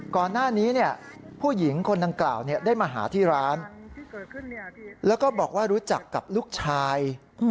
ก่อนหน้านี้ผู้หญิงคนดังกล่าวได้มาหาที่ร้านแล้วก็บอกว่ารู้จักกับลูกชาย